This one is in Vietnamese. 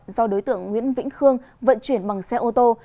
do đối tượng nguyễn vĩnh khương vận chuyển bằng xe ô tô